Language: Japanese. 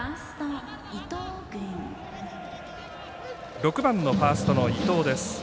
６番のファーストの伊藤です。